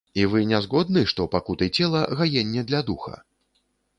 І вы не згодны, што пакуты цела гаенне для духа?